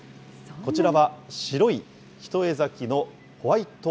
こちらは白い一重咲きのホワイト